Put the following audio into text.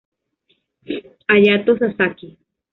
Hayato Sasaki